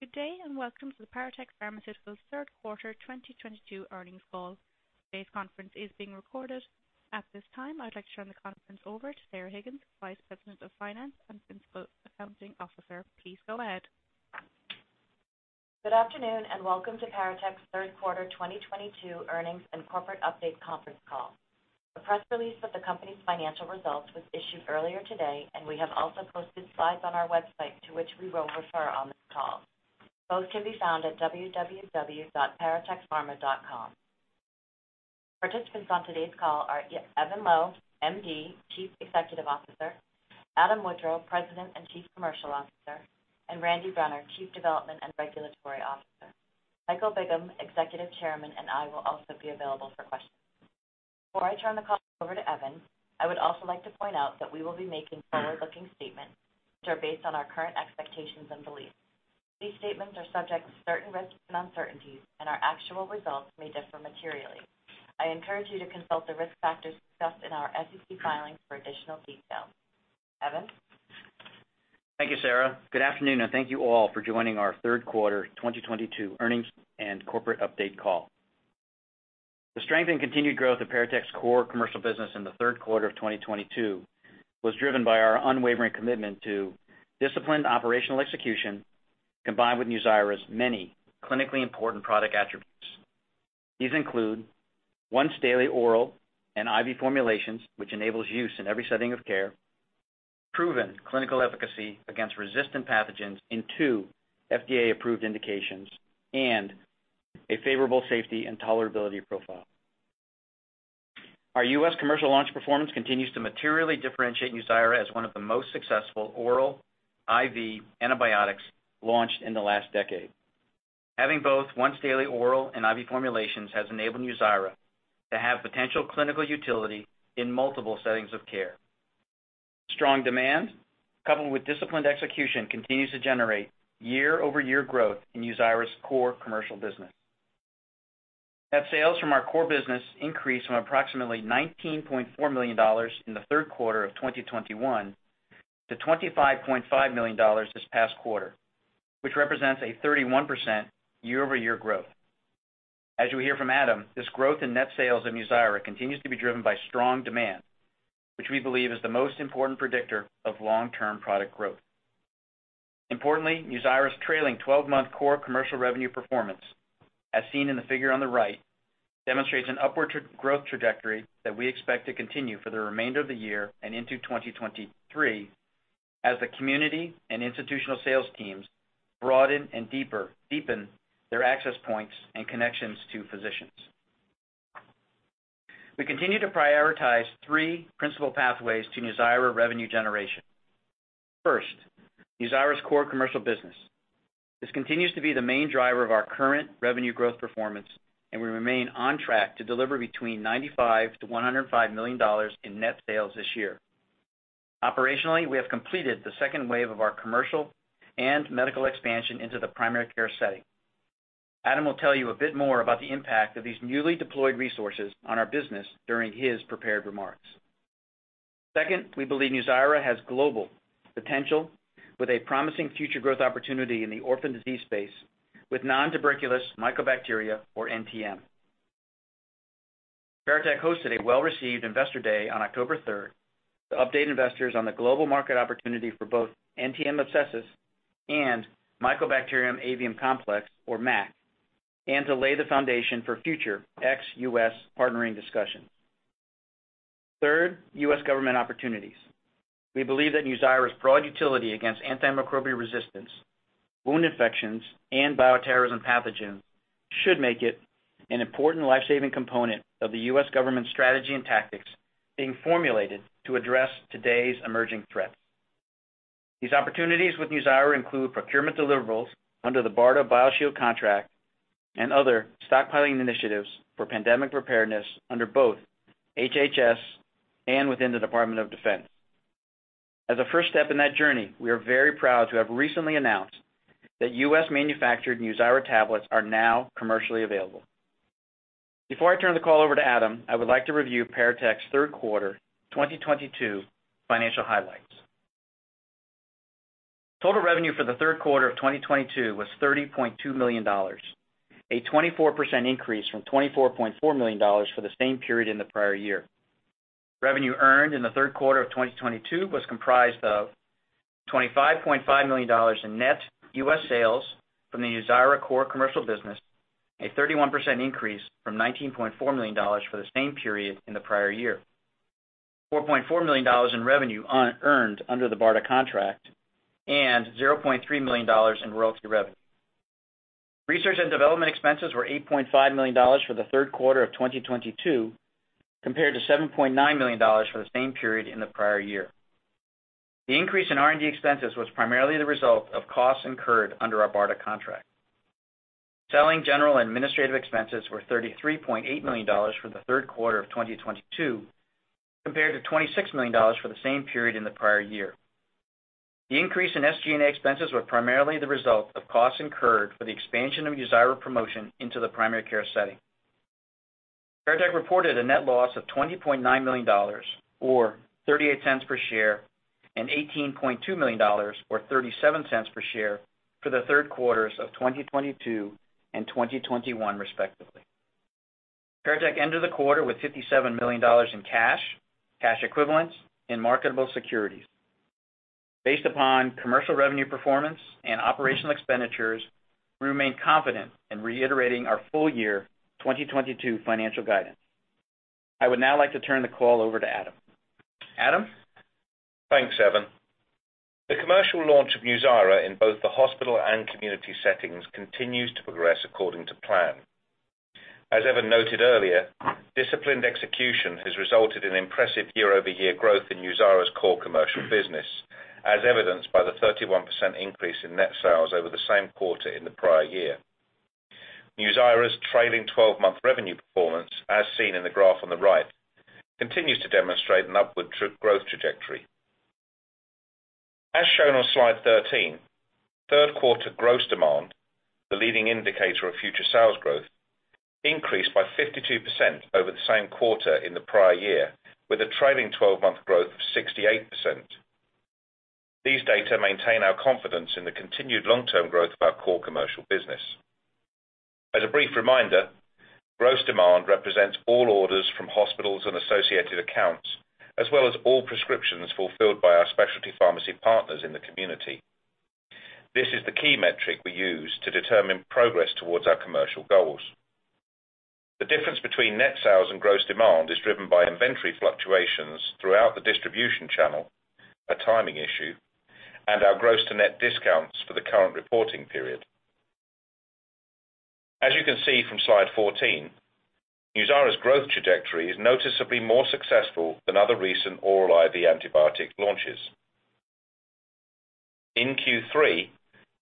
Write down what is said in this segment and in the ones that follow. Good day, and welcome to the Paratek Pharmaceuticals third quarter 2022 earnings call. Today's conference is being recorded. At this time, I'd like to turn the conference over to Sarah Higgins, Vice President of Finance and Principal Accounting Officer. Please go ahead. Good afternoon, and welcome to Paratek's third quarter 2022 earnings and corporate update conference call. The press release of the company's financial results was issued earlier today, and we have also posted slides on our website to which we will refer on this call. Both can be found at www.paratekpharma.com. Participants on today's call are Evan Loh, MD, Chief Executive Officer, Adam Woodrow, President and Chief Commercial Officer, and Randy Brenner, Chief Development and Regulatory Officer. Michael Bigham, Executive Chairman, and I will also be available for questions. Before I turn the call over to Evan, I would also like to point out that we will be making forward-looking statements which are based on our current expectations and beliefs. These statements are subject to certain risks and uncertainties, and our actual results may differ materially. I encourage you to consult the risk factors discussed in our SEC filings for additional details. Evan? Thank you, Sarah. Good afternoon, and thank you all for joining our third quarter 2022 earnings and corporate update call. The strength and continued growth of Paratek's core commercial business in the third quarter of 2022 was driven by our unwavering commitment to disciplined operational execution, combined with NUZYRA's many clinically important product attributes. These include once daily oral and IV formulations, which enables use in every setting of care, proven clinical efficacy against resistant pathogens in two FDA-approved indications, and a favorable safety and tolerability profile. Our U.S. commercial launch performance continues to materially differentiate NUZYRA as one of the most successful oral IV antibiotics launched in the last decade. Having both once daily oral and IV formulations has enabled NUZYRA to have potential clinical utility in multiple settings of care. Strong demand coupled with disciplined execution continues to generate year-over-year growth in NUZYRA's core commercial business. Net sales from our core business increased from approximately $19.4 million in the third quarter of 2021 to $25.5 million this past quarter, which represents a 31% YoY growth. As you'll hear from Adam, this growth in net sales of NUZYRA continues to be driven by strong demand, which we believe is the most important predictor of long-term product growth. Importantly, NUZYRA's trailing 12-month core commercial revenue performance, as seen in the figure on the right, demonstrates an upward trajectory that we expect to continue for the remainder of the year and into 2023 as the community and institutional sales teams broaden and deepen their access points and connections to physicians. We continue to prioritize three principal pathways to NUZYRA revenue generation. First, NUZYRA's core commercial business. This continues to be the main driver of our current revenue growth performance, and we remain on track to deliver between $95 million-$105 million in net sales this year. Operationally, we have completed the second wave of our commercial and medical expansion into the primary care setting. Adam will tell you a bit more about the impact of these newly deployed resources on our business during his prepared remarks. Second, we believe NUZYRA has global potential with a promising future growth opportunity in the orphan disease space with nontuberculous mycobacteria, or NTM. Paratek hosted a well-received investor day on October third to update investors on the global market opportunity for both Mycobacterium abscessus and Mycobacterium avium complex, or MAC, and to lay the foundation for future ex-U.S. partnering discussions. Third, U.S. government opportunities. We believe that NUZYRA's broad utility against antimicrobial resistance, wound infections, and bioterrorism pathogens should make it an important life-saving component of the U.S. government's strategy and tactics being formulated to address today's emerging threats. These opportunities with NUZYRA include procurement deliverables under the BARDA BioShield contract and other stockpiling initiatives for pandemic preparedness under both HHS and within the Department of Defense. As a first step in that journey, we are very proud to have recently announced that U.S.-manufactured NUZYRA tablets are now commercially available. Before I turn the call over to Adam, I would like to review Paratek's third quarter 2022 financial highlights. Total revenue for the third quarter of 2022 was $30.2 million, a 24% increase from $24.4 million for the same period in the prior year. Revenue earned in the third quarter of 2022 was comprised of $25.5 million in net U.S. sales from the NUZYRA core commercial business, a 31% increase from $19.4 million for the same period in the prior year. $4.4 million in revenue earned under the BARDA contract, and $0.3 million in royalty revenue. Research and development expenses were $8.5 million for the third quarter of 2022, compared to $7.9 million for the same period in the prior year. The increase in R&D expenses was primarily the result of costs incurred under our BARDA contract. Selling, general, and administrative expenses were $33.8 million for the third quarter of 2022, compared to $26 million for the same period in the prior year. The increase in SG&A expenses were primarily the result of costs incurred for the expansion of NUZYRA promotion into the primary care setting. Paratek reported a net loss of $20.9 million or $0.38 per share, and $18.2 million or $0.37 per share for the third quarters of 2022 and 2021 respectively. Paratek ended the quarter with $57 million in cash equivalents, and marketable securities. Based upon commercial revenue performance and operational expenditures, we remain confident in reiterating our full year 2022 financial guidance. I would now like to turn the call over to Adam. Adam? Thanks, Evan. The commercial launch of NUZYRA in both the hospital and community settings continues to progress according to plan. As Evan noted earlier, disciplined execution has resulted in impressive year-over-year growth in NUZYRA's core commercial business, as evidenced by the 31% increase in net sales over the same quarter in the prior year. NUZYRA's trailing 12-month revenue performance, as seen in the graph on the right, continues to demonstrate an upward growth trajectory. As shown on Slide 13, third quarter gross demand, the leading indicator of future sales growth, increased by 52% over the same quarter in the prior year with a trailing 12-month growth of 68%. These data maintain our confidence in the continued long-term growth of our core commercial business. As a brief reminder, gross demand represents all orders from hospitals and associated accounts, as well as all prescriptions fulfilled by our specialty pharmacy partners in the community. This is the key metric we use to determine progress towards our commercial goals. The difference between net sales and gross demand is driven by inventory fluctuations throughout the distribution channel, a timing issue, and our gross to net discounts for the current reporting period. As you can see from Slide 14, NUZYRA's growth trajectory is noticeably more successful than other recent oral IV antibiotic launches. In Q3,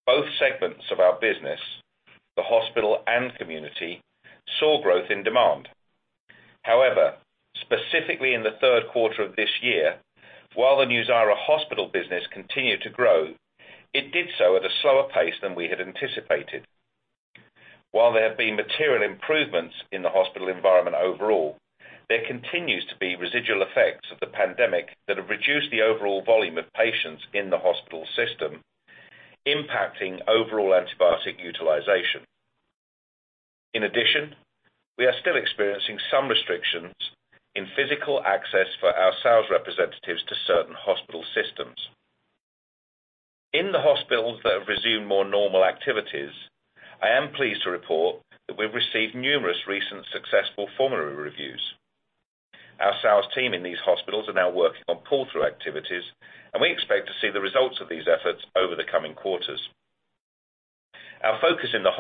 both segments of our business, the hospital and community, saw growth in demand. However, specifically in the third quarter of this year, while the NUZYRA hospital business continued to grow, it did so at a slower pace than we had anticipated. While there have been material improvements in the hospital environment overall, there continues to be residual effects of the pandemic that have reduced the overall volume of patients in the hospital system, impacting overall antibiotic utilization. In addition, we are still experiencing some restrictions in physical access for our sales representatives to certain hospital systems. In the hospitals that have resumed more normal activities, I am pleased to report that we've received numerous recent successful formulary reviews. Our sales team in these hospitals are now working on pull-through activities, and we expect to see the results of these efforts over the coming quarters. Our focus in the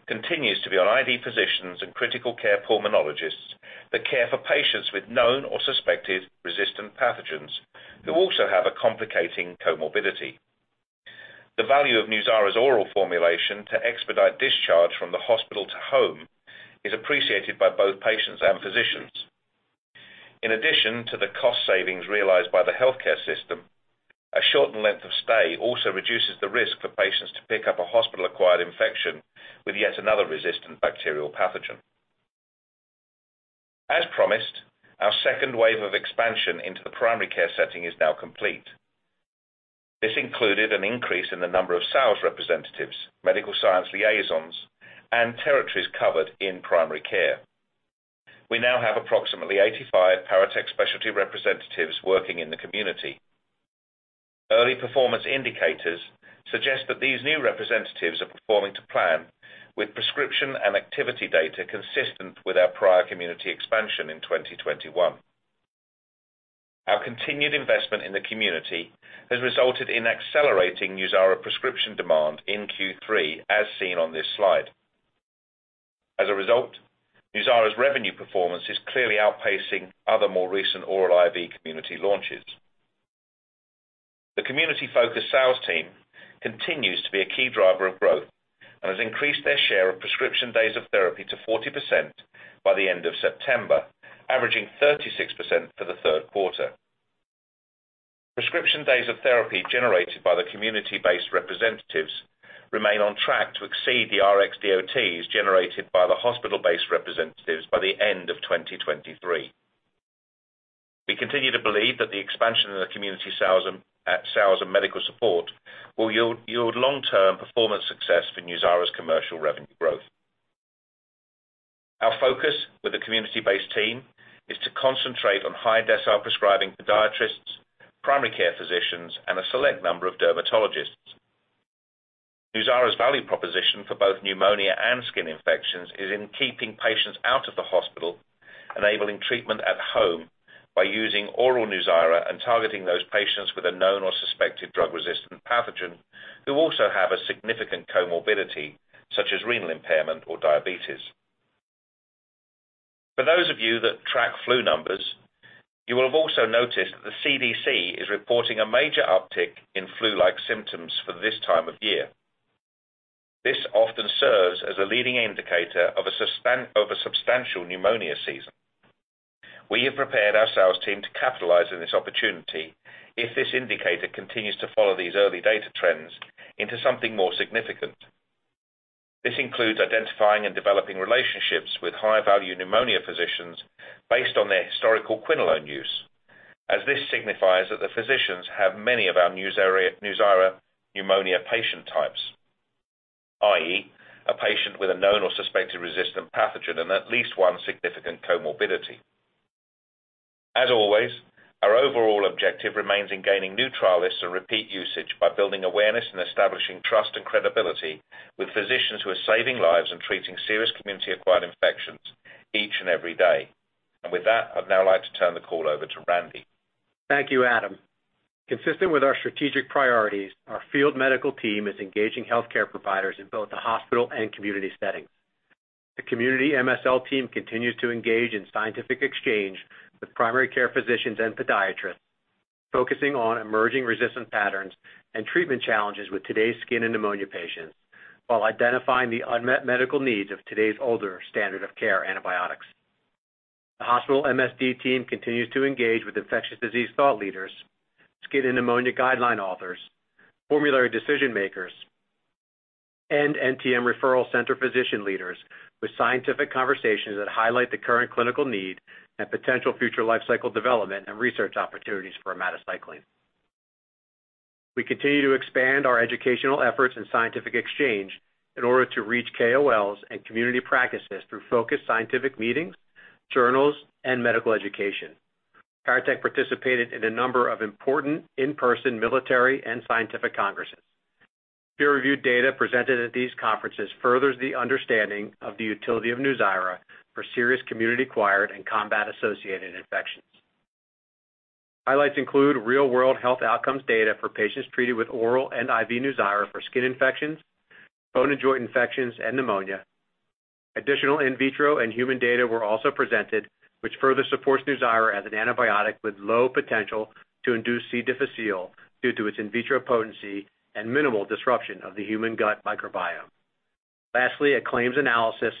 hospital continues to be on ID physicians and critical care pulmonologists that care for patients with known or suspected resistant pathogens who also have a complicating comorbidity. The value of NUZYRA's oral formulation to expedite discharge from the hospital to home is appreciated by both patients and physicians. In addition to the cost savings realized by the healthcare system, a shortened length of stay also reduces the risk for patients to pick up a hospital-acquired infection with yet another resistant bacterial pathogen. As promised, our second wave of expansion into the primary care setting is now complete. This included an increase in the number of sales representatives, medical science liaisons, and territories covered in primary care. We now have approximately 85 Paratek specialty representatives working in the community. Early performance indicators suggest that these new representatives are performing to plan with prescription and activity data consistent with our prior community expansion in 2021. Our continued investment in the community has resulted in accelerating NUZYRA prescription demand in Q3, as seen on this slide. As a result, NUZYRA's revenue performance is clearly outpacing other more recent oral IV community launches. The community-focused sales team continues to be a key driver of growth and has increased their share of prescription days of therapy to 40% by the end of September, averaging 36% for the third quarter. Prescription days of therapy generated by the community-based representatives remain on track to exceed the RxDOTs generated by the hospital-based representatives by the end of 2023. We continue to believe that the expansion of the community sales and medical support will yield long-term performance success for NUZYRA's commercial revenue growth. Our focus with the community-based team is to concentrate on high-decile prescribing podiatrists, primary care physicians, and a select number of dermatologists. NUZYRA's value proposition for both pneumonia and skin infections is in keeping patients out of the hospital, enabling treatment at home by using oral NUZYRA and targeting those patients with a known or suspected drug-resistant pathogen who also have a significant comorbidity, such as renal impairment or diabetes. For those of you that track flu numbers, you will have also noticed that the CDC is reporting a major uptick in flu-like symptoms for this time of year. This often serves as a leading indicator of a substantial pneumonia season. We have prepared our sales team to capitalize on this opportunity if this indicator continues to follow these early data trends into something more significant. This includes identifying and developing relationships with high-value pneumonia physicians based on their historical quinolone use, as this signifies that the physicians have many of our new era, NUZYRA pneumonia patient types, i.e., a patient with a known or suspected resistant pathogen and at least one significant comorbidity. As always, our overall objective remains in gaining new trialists and repeat usage by building awareness and establishing trust and credibility with physicians who are saving lives and treating serious community-acquired infections each and every day. With that, I'd now like to turn the call over to Randy. Thank you, Adam. Consistent with our strategic priorities, our field medical team is engaging healthcare providers in both the hospital and community settings. The community MSL team continues to engage in scientific exchange with primary care physicians and podiatrists, focusing on emerging resistance patterns and treatment challenges with today's skin and pneumonia patients while identifying the unmet medical needs of today's older standard of care antibiotics. The hospital MSL team continues to engage with infectious disease thought leaders, skin and pneumonia guideline authors, formulary decision-makers, and NTM referral center physician leaders with scientific conversations that highlight the current clinical need and potential future life cycle development and research opportunities for omadacycline. We continue to expand our educational efforts and scientific exchange in order to reach KOLs and community practices through focused scientific meetings, journals, and medical education. Paratek participated in a number of important in-person military and scientific congresses. Peer-reviewed data presented at these conferences furthers the understanding of the utility of NUZYRA for serious community-acquired and combat-associated infections. Highlights include real-world health outcomes data for patients treated with oral and IV NUZYRA for skin infections, bone and joint infections, and pneumonia. Additional in vitro and human data were also presented, which further supports NUZYRA as an antibiotic with low potential to induce C. difficile due to its in vitro potency and minimal disruption of the human gut microbiome. Lastly, a claims analysis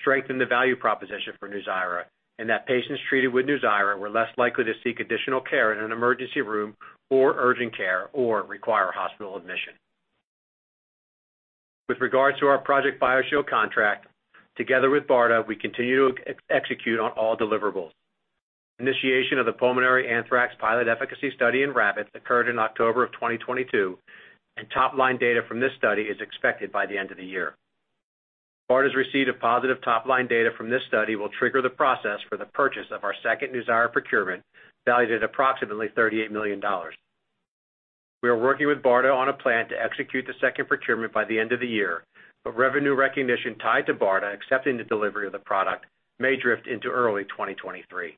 strengthened the value proposition for NUZYRA, and that patients treated with NUZYRA were less likely to seek additional care in an emergency room or urgent care or require hospital admission. With regards to our Project BioShield contract, together with BARDA, we continue to execute on all deliverables. Initiation of the pulmonary anthrax pilot efficacy study in rabbits occurred in October of 2022, and top-line data from this study is expected by the end of the year. BARDA's receipt of positive top-line data from this study will trigger the process for the purchase of our second NUZYRA procurement, valued at approximately $38 million. We are working with BARDA on a plan to execute the second procurement by the end of the year, but revenue recognition tied to BARDA accepting the delivery of the product may drift into early 2023.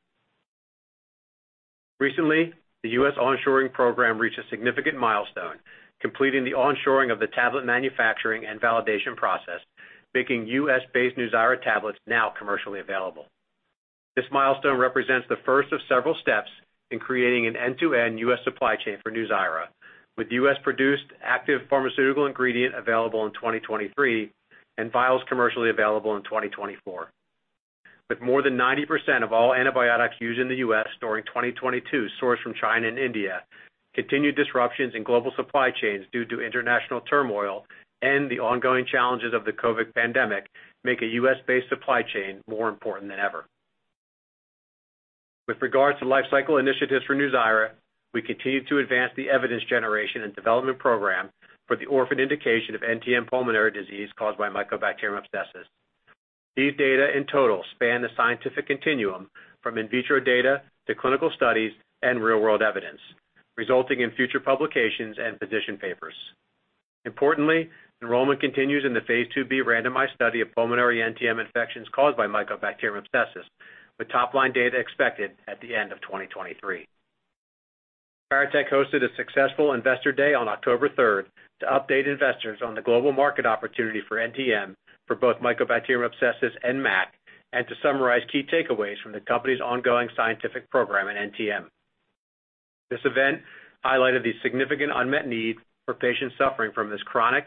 Recently, the U.S. onshoring program reached a significant milestone, completing the onshoring of the tablet manufacturing and validation process, making U.S.-based NUZYRA tablets now commercially available. This milestone represents the first of several steps in creating an end-to-end U.S. supply chain for NUZYRA, with U.S.-produced active pharmaceutical ingredient available in 2023 and vials commercially available in 2024. With more than 90% of all antibiotics used in the U.S. during 2022 sourced from China and India, continued disruptions in global supply chains due to international turmoil and the ongoing challenges of the COVID pandemic make a U.S.-based supply chain more important than ever. With regards to life cycle initiatives for NUZYRA, we continue to advance the evidence generation and development program for the orphan indication of NTM pulmonary disease caused by Mycobacterium abscessus. These data in total span the scientific continuum from in vitro data to clinical studies and real-world evidence, resulting in future publications and position papers. Importantly, enrollment continues in the phase II-B randomized study of pulmonary NTM infections caused by Mycobacterium abscessus, with top-line data expected at the end of 2023. Paratek hosted a successful investor day on October 3rd to update investors on the global market opportunity for NTM for both Mycobacterium abscessus and MAC, and to summarize key takeaways from the company's ongoing scientific program at NTM. This event highlighted the significant unmet need for patients suffering from this chronic,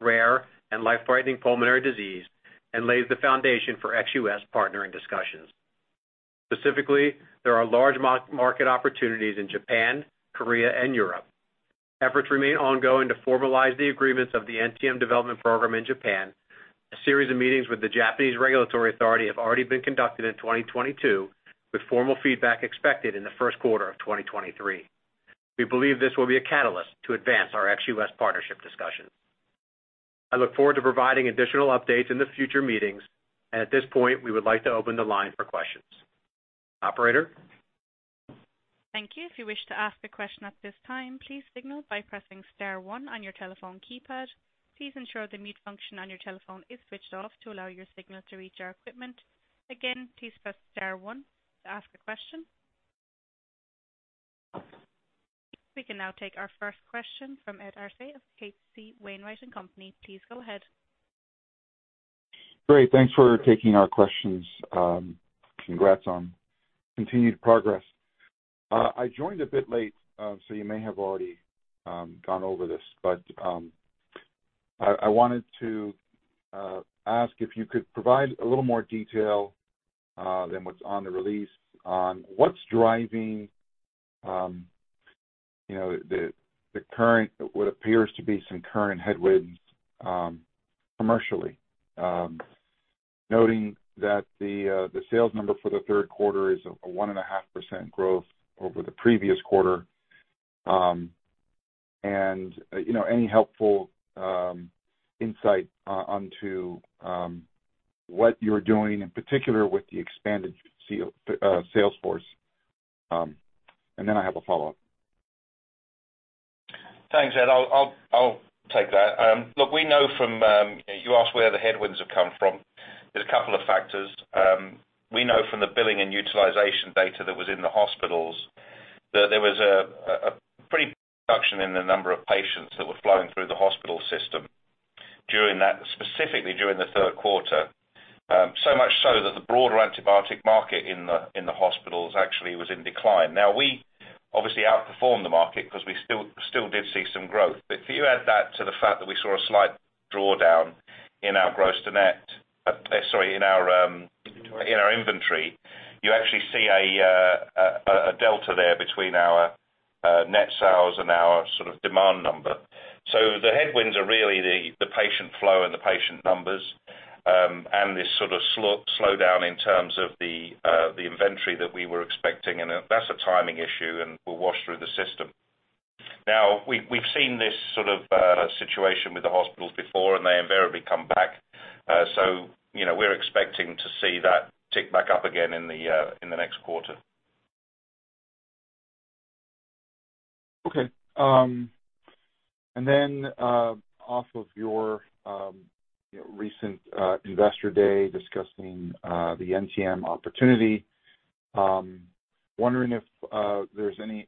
rare, and life-threatening pulmonary disease and lays the foundation for ex-U.S. partnering discussions. Specifically, there are large market opportunities in Japan, Korea, and Europe. Efforts remain ongoing to formalize the agreements of the NTM development program in Japan. A series of meetings with the Japanese regulatory authority have already been conducted in 2022, with formal feedback expected in the first quarter of 2023. We believe this will be a catalyst to advance our ex-U.S. partnership discussions. I look forward to providing additional updates in the future meetings. At this point, we would like to open the line for questions. Operator? Thank you. If you wish to ask a question at this time, please signal by pressing star one on your telephone keypad. Please ensure the mute function on your telephone is switched off to allow your signal to reach our equipment. Again, please press star one to ask a question. We can now take our first question from Ed Arce of H.C. Wainwright & Co. Please go ahead. Great. Thanks for taking our questions. Congrats on continued progress. I joined a bit late, so you may have already gone over this, but I wanted to ask if you could provide a little more detail than what's on the release on what's driving, you know, the current what appears to be some current headwinds commercially. Noting that the sales number for the third quarter is a 1.5% growth over the previous quarter. You know, any helpful insight into what you're doing, in particular with the expanded sales force. Then I have a follow-up. Thanks, Ed. I'll take that. Look, we know from, you know, you asked where the headwinds have come from. There's a couple of factors. We know from the billing and utilization data that was in the hospitals that there was a pretty reduction in the number of patients that were flowing through the hospital system during that, specifically during the third quarter. So much so that the broader antibiotic market in the hospitals actually was in decline. Now we obviously outperformed the market 'cause we still did see some growth. If you add that to the fact that we saw a slight drawdown in our gross-to-net, sorry, in our, Inventory... in our inventory, you actually see a delta there between our net sales and our sort of demand number. The headwinds are really the patient flow and the patient numbers, and this sort of slowdown in terms of the inventory that we were expecting. That's a timing issue and will wash through the system. Now we've seen this sort of situation with the hospitals before, and they invariably come back. You know, we're expecting to see that tick back up again in the next quarter. Okay. Off of your recent investor day discussing the NTM opportunity, wondering if there's any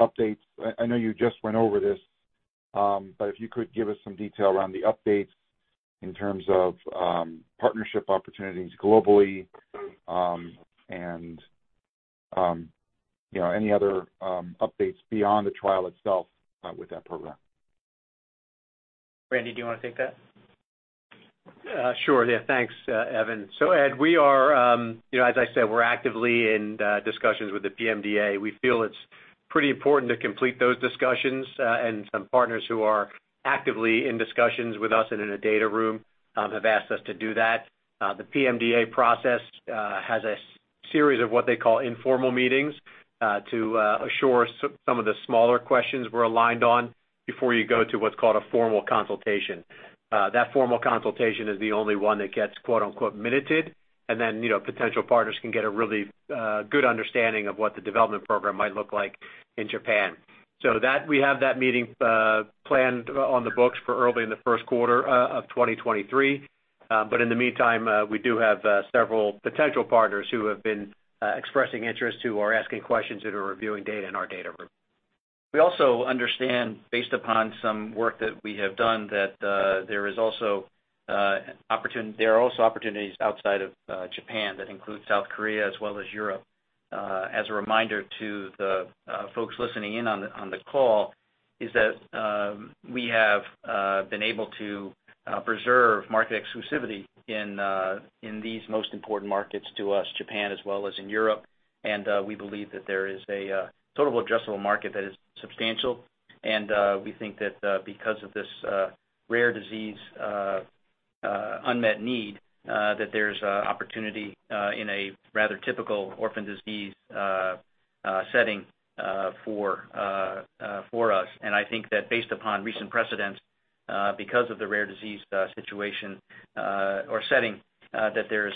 updates. I know you just went over this, but if you could give us some detail around the updates in terms of partnership opportunities globally, and you know, any other updates beyond the trial itself, with that program. Randy, do you wanna take that? Sure. Yeah, thanks, Evan. Ed, we are, you know, as I said, we're actively in discussions with the PMDA. We feel it's pretty important to complete those discussions, and some partners who are actively in discussions with us and in a data room have asked us to do that. The PMDA process has a series of what they call informal meetings to assure some of the smaller questions we're aligned on before you go to what's called a formal consultation. That formal consultation is the only one that gets quote-unquote minuted, and then, you know, potential partners can get a really good understanding of what the development program might look like in Japan. That, we have that meeting planned on the books for early in the first quarter of 2023. In the meantime, we do have several potential partners who have been expressing interest, who are asking questions and are reviewing data in our data room. We also understand, based upon some work that we have done, that there are also opportunities outside of Japan that include South Korea as well as Europe. As a reminder to the folks listening in on the call, is that we have been able to preserve market exclusivity in these most important markets to us, Japan as well as in Europe. We believe that there is a total addressable market that is substantial. We think that because of this rare disease unmet need that there's an opportunity in a rather typical orphan disease setting for us. I think that based upon recent precedents because of the rare disease situation or setting that there's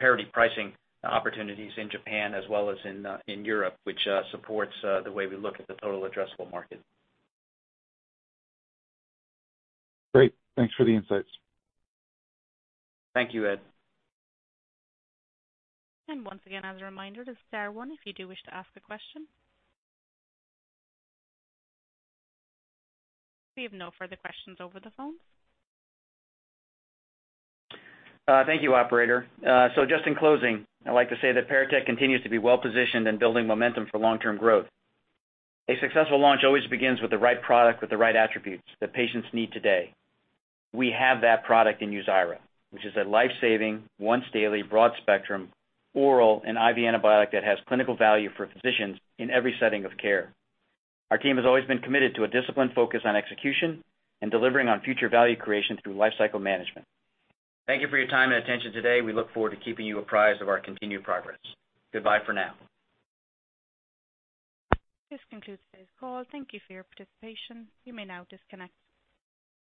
parity pricing opportunities in Japan as well as in Europe which supports the way we look at the total addressable market. Great. Thanks for the insights. Thank you, Ed. Once again, as a reminder, to star one if you do wish to ask a question. We have no further questions over the phone. Thank you, operator. Just in closing, I'd like to say that Paratek continues to be well-positioned in building momentum for long-term growth. A successful launch always begins with the right product, with the right attributes that patients need today. We have that product in NUZYRA, which is a life-saving, once daily, broad spectrum oral and IV antibiotic that has clinical value for physicians in every setting of care. Our team has always been committed to a disciplined focus on execution and delivering on future value creation through lifecycle management. Thank you for your time and attention today. We look forward to keeping you apprised of our continued progress. Goodbye for now. This concludes today's call. Thank you for your participation. You may now disconnect.